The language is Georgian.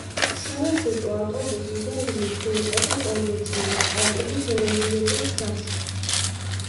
სამარშრუტო ავტობუსი ზოზინით მიუყვება პოლიეთილენის პარკებით შემომძივებულ გზას.